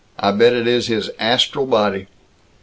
I bet it is his astral body!"